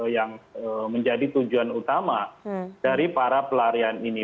yang menjadi tujuan utama dari para pelarian ini